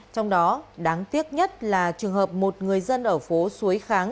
trong đó đáng tiếc nhất là trường hợp một người dân ở phố xuối kháng